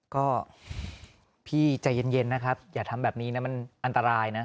ก็พี่ใจเย็นนะครับอย่าทำแบบนี้นะมันอันตรายนะ